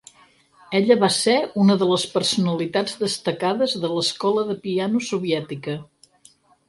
Ella va ser una de les personalitats destacades de l'escola de piano Soviètica.